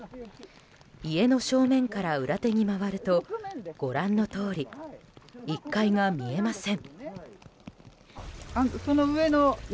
家の正面から裏手に回るとご覧のとおり１階が見えません。